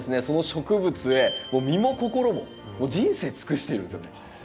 その植物へ身も心ももう人生尽くしてるんですよね